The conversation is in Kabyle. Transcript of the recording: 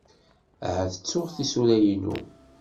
Ahat ttuɣ tisura-inu.